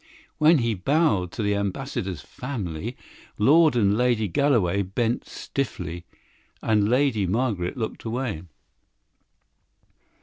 When he bowed to the Ambassador's family, Lord and Lady Galloway bent stiffly, and Lady Margaret looked away.